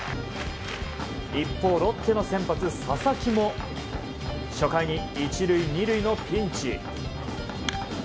一方、ロッテの先発佐々木も初回に１塁２塁のピンチ。